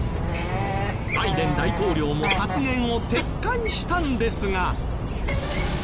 バイデン大統領も発言を撤回したんですが。